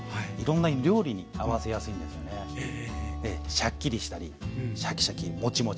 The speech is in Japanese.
シャッキリしたりシャキシャキもちもち